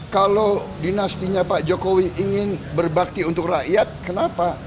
kalau dinastinya pak jokowi ingin berbakti untuk rakyat kenapa